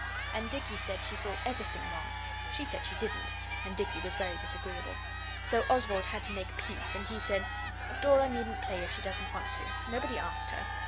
And Dicky said she thought everything wrong. She said she didn't, and Dicky was very disagreeable. So Oswald had to make peace, and he said 'Dora needn't play if she doesn't want to. Nobody asked her.